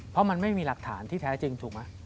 เพราะมันไม่มีหลักฐานที่แท้จริงถูกไหม